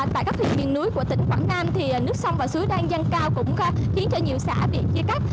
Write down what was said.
tại các thị trường miền núi của tỉnh quảng nam nước sông và sứ đan dân cao cũng khiến nhiều xã bị chia cắt